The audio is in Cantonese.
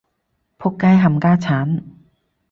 僕街冚家鏟